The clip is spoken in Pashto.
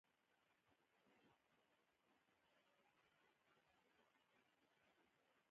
سپین ویښته د مرګ استازی دی دیني شالید لري